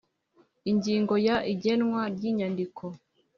ingingo ya igenwa ry inyandiko